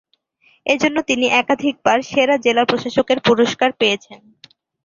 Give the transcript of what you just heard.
এজন্য তিনি একাধিকবার সেরা জেলা প্রশাসকের পুরস্কার পেয়েছেন।